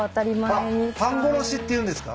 あっ半殺しって言うんですか？